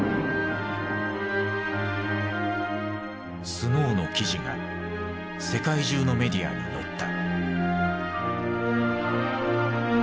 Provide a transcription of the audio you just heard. スノーの記事が世界中のメディアに載った。